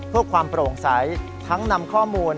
เพื่อความโปร่งใสทั้งนำข้อมูล